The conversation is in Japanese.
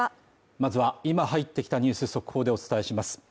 まずは今入ってきたニュース速報でお伝えします。